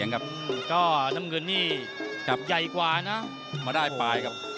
ก็น้ำเงินนี่จับใหญ่กว่านะมาได้ปลายครับ